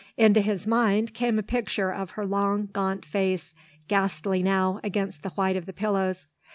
Into his mind came a picture of her long gaunt face, ghastly now against the white of the pillows.